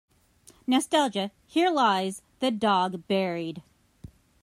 nostalgia Here lies the dog buried